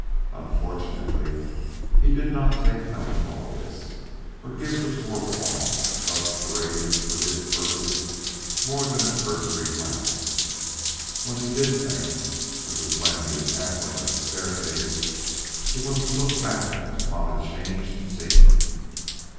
Unfortunately, he did not take note of all this, or give the poor pawns thus parading for his purpose more than a cursory glance. When he did think, which was when he was halfway up the staircase, it was to look back upon a changed scene.